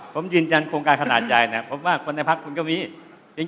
ผมยืนจันร์โครงการขนาดใยเนี่ยผมว่าคนในพักษณ์คูณกำลิง